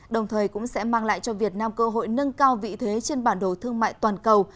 đồng thời cũng sẽ mang lại cho việt nam cơ hội nâng cao vị thế trên bản đồ thương mại toàn cầu